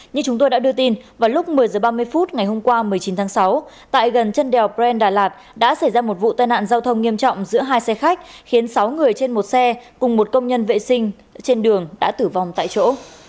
như chúng tôi đã đưa tin vào lúc một mươi h ba mươi phút ngày hôm qua một mươi chín tháng sáu tại gần chân đèo brent đà lạt đã xảy ra một vụ tai nạn giao thông nghiêm trọng giữa hai xe khách khiến sáu người trên một xe cùng một công nhân vệ sinh trên đường đã tử vong tại chỗ